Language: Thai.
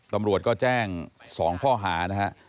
ตำรวจก็แจ้ง๒ข้อหานะฮะ